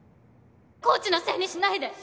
コーチのせいにしないで。